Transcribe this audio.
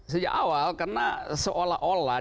sejak awal karena seolah olah